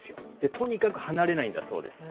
とにかく離れないんだそうです。